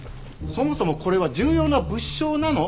そもそもこれは重要な物証なの？